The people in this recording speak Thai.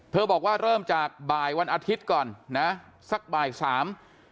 บอกว่าเริ่มจากบ่ายวันอาทิตย์ก่อนนะสักบ่ายสาม